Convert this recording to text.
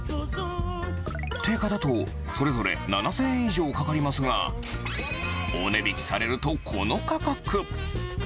定価だと、それぞれ７０００円以上かかりますが、お値引きされると、この価格。